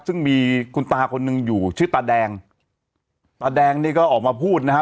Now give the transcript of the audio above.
ซึ่งมีคุณตาคนหนึ่งอยู่ชื่อตาแดงตาแดงนี่ก็ออกมาพูดนะฮะ